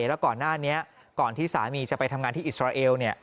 แล้วก่อนหน้านี้ก่อนที่สามีจะไปทำงานที่อิสราเอล